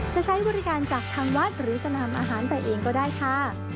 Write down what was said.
จะใช้บริการจากทางวัดหรือจะนำอาหารไปเองก็ได้ค่ะ